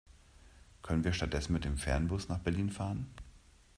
Können wir stattdessen mit dem Fernbus nach Berlin fahren?